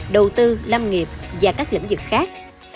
đầu tư lâm nghiệp và các lĩnh vực khác